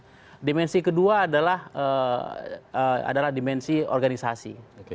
jadi kedua adalah dimensi organisasi